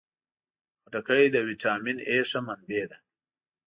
خټکی د ویټامین A ښه منبع ده.